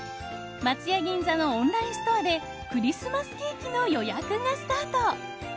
松屋銀座のオンラインストアでクリスマスケーキの予約がスタート！